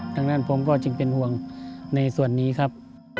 ดังนั้นผมก็จึงเป็นห่วงในส่วนนี้ครับ